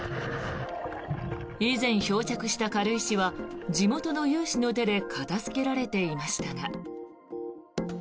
以前、漂着した軽石は地元の有志の手で片付けられていましたが。